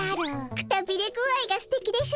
くたびれ具合がすてきでしょ？